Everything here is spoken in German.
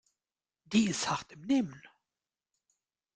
Die ist hart im Nehmen.